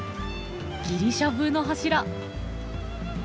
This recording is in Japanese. ギリシャ風の柱。